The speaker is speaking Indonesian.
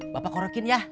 bapak korekin ya